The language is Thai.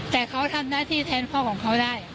แต่เขาทำหน้าที่แทนพ่อของเขาได้